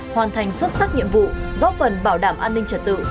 hoàn thành xuất sắc nhiệm vụ góp phần bảo đảm an ninh trật tự